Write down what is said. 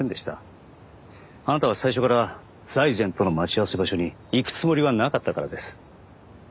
あなたは最初から財前との待ち合わせ場所に行くつもりはなかったからです。